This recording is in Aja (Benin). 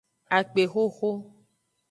Akpexoxo.